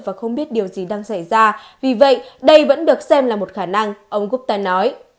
và không biết điều gì đang xảy ra vì vậy đây vẫn được xem là một khả năng ông gutan nói